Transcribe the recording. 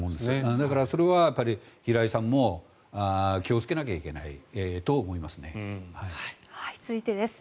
だから、それは平井さんも気をつけなければいけないと思いますね。